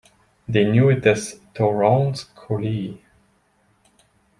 They knew it as Tourond's Coulee.